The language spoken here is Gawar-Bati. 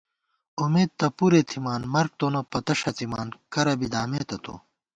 امېد تہ پُرے تھِمان، مرگ تونہ پتہ ݭَڅِمان، کرہ بی دامېتہ تو